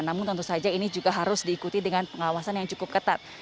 namun tentu saja ini juga harus diikuti dengan pengawasan yang cukup ketat